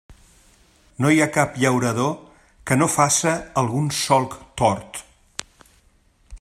No hi ha cap llaurador que no faça algun solc tort.